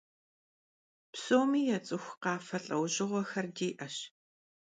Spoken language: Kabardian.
Psomi yats'ıxu khafe lh'eujığuexer di'eş.